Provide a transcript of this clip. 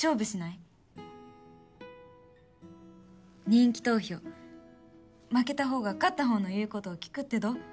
人気投票負けたほうが勝ったほうの言うことを聞くってどう？